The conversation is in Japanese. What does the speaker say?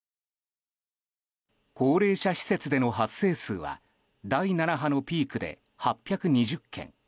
高齢者施設での発生数は第７波のピークで８２０件。